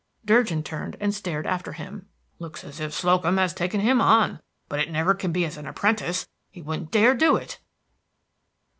Durgin turned and stared after him. "Looks as if Slocum had taken him on; but it never can be as apprentice; he wouldn't dare do it."